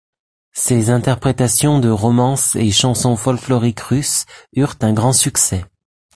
Ses interprétations de romances et chansons folkloriques russes eurent un grand succès.